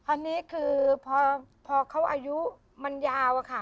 อันนี้คือพอเขาอายุมันยาวอะค่ะ